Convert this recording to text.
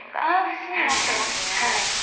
節になってますね。